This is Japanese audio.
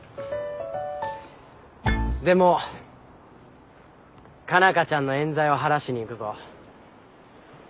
でも佳奈花ちゃんのえん罪を晴らしに行くぞ。